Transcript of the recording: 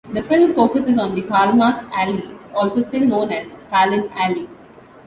The film focuses on the Karl-Marx-Allee, also still known as Stalin-Allee.